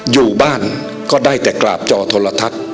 อยู่บ้านก็ได้แต่กราบจอโทรทัศน์